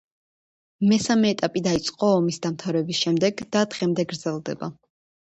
მესამე ეტაპი დაიწყო ომის დამთავრების შემდეგ და დღემდე გრძელდება.